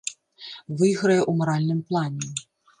Выйграе ў маральным плане.